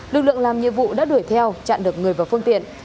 lực lượng làm nhiệm vụ đã đuổi theo chặn được người vào phương tiện